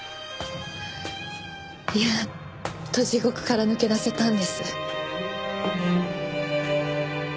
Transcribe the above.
やっと地獄から抜け出せたんです。